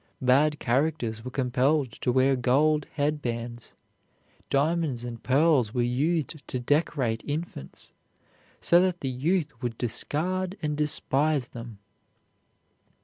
Bad characters were compelled to wear gold head bands. Diamonds and pearls were used to decorate infants, so that the youth would discard and despise them.